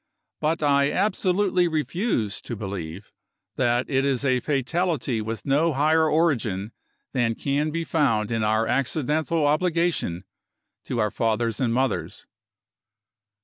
But I absolutely refuse to believe that it is a fatality with no higher origin than can be found in our accidental obligation to our fathers and mothers.